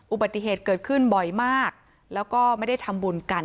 อุบัติเหตุเกิดขึ้นบ่อยมากแล้วก็ไม่ได้ทำบุญกัน